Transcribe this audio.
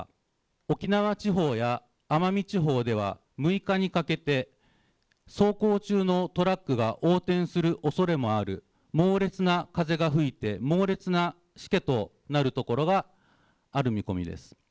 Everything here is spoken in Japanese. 沖縄地方や奄美地方では６日にかけて走行中のトラックが横転するおそれもある猛烈な風が吹いて猛烈なしけとなるところがある見込みです。